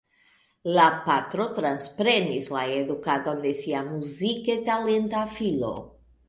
La patro transprenis la edukadon de sia muzike talenta filo.